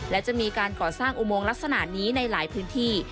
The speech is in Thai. และจะมีการก่อสร้างอุโมงลักษณะนี้ในหลายพื้นที่